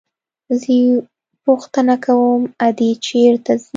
زه پوښتنه کوم ادې چېرته ځي.